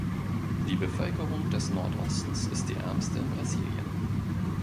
Die Bevölkerung des Nordostens ist die ärmste in Brasilien.